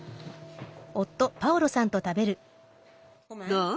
どう？